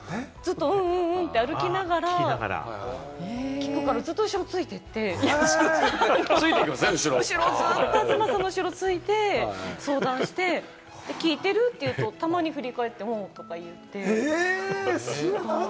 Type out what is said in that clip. うんうんって歩きながら聞くから、ずっと後ろをついていって、後ろ、ずっと東さんの後ろをついて相談して、聞いてる？って言うと、たまに振り返って、うんとか言って。